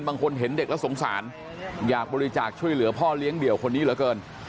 บางคนเห็นเด็กแล้วสงสารอยากบริจาคช่วยเหลือพ่อเลี้ยงเดี่ยวคนนี้เหลือเกิน